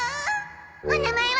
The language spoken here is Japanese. お名前は？